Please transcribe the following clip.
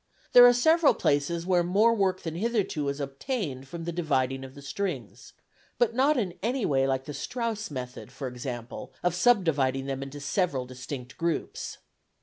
There are several places where more work than hitherto is obtained from the dividing of the strings, but not in any way like the Strauss method, for example, of subdividing them into several distinct groups.